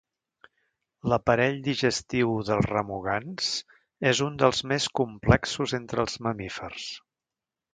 L'aparell digestiu dels remugants és un dels més complexos entre els mamífers.